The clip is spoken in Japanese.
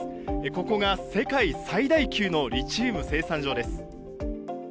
ここが世界最大級のリチウム生産場です。